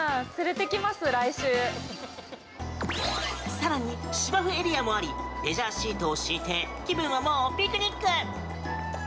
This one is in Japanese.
更に、芝生エリアもありレジャーシートを敷いて気分はもうピクニック。